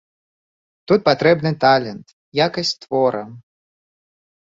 Тут патрэбны талент, якасць твора.